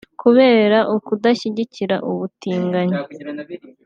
Kubera ukudashyigikira ubutinganyi